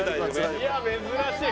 いや珍しい。